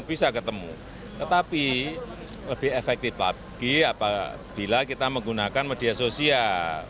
bisa ketemu tetapi lebih efektif lagi apabila kita menggunakan media sosial